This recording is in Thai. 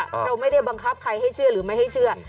เราไม่ได้บังคับใครให้เชื่อหรือไม่ให้เชื่อ